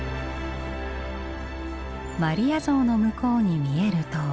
マリア像の向こうに見える塔。